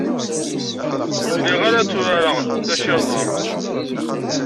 Ur lliɣ ara tturareɣ tacirḍart.